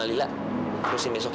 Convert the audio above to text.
lila berusin besok ya